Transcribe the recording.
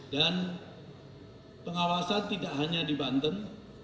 dan pengawasan tidak hanya di banten